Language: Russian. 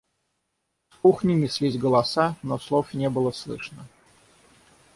Из кухни неслись голоса, но слов не было слышно.